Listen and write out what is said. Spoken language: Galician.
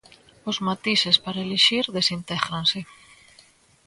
Os matices para elixir desintégranse.